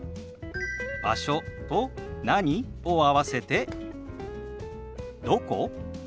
「場所」と「何？」を合わせて「どこ？」。